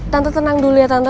tante tenang dulu ya tante